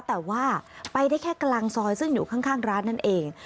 แต่ว่าไปได้แค่กลางซอยซึ่งอยู่ข้างร้านนั่นเอง